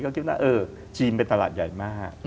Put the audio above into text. ก็คิดว่าเออจีนเป็นตลาดใหญ่มาก